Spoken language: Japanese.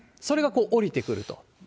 それが下りてくると。